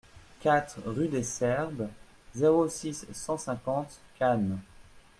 quatre rue des Serbes, zéro six, cent cinquante Cannes